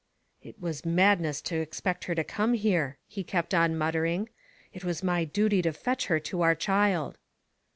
"It was madness to expect her to come here," he kept on muttering. It was my duty to fetch her to our child."